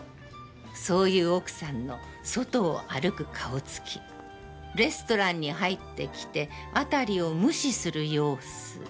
そういう奥さんの戸外を歩く顔つき、レストランに入って来て辺りを無視するようす。